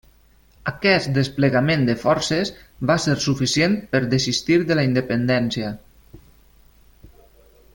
Aquest desplegament de forces va ser suficient per desistir de la independència.